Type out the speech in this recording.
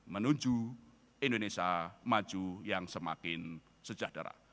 menuju indonesia maju yang semakin sejahtera